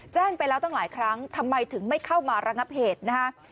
แจ้งไปแล้วตั้งหลายครั้งทำไมถึงไม่เข้ามาระงับเหตุนะฮะ